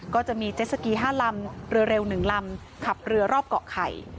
ก็จะมีเจสสกี๕ลำเรือเร็ว๑ลำขับเรือรอบเกาะไข่